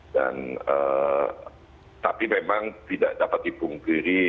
dan tapi memang tidak dapat dipungkiri